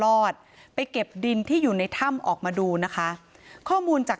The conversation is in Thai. รอดไปเก็บดินที่อยู่ในถ้ำออกมาดูนะคะข้อมูลจาก